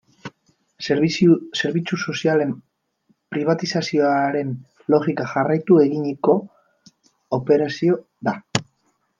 Zerbitzu sozialen pribatizazioaren logika jarraituz eginiko operazioa da.